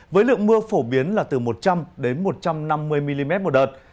với lượng mưa phổ biến là từ một trăm linh một trăm năm mươi mm một đợt